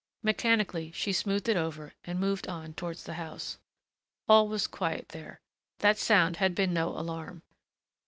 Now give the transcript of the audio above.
Mechanically she smoothed it over and moved on towards the house. All was quiet there. That sound had been no alarm.